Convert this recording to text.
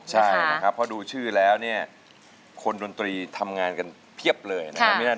ใช่นะครับเพราะดูชื่อแล้วเนี่ยคนดนตรีทำงานกันเพียบเลยนะครับ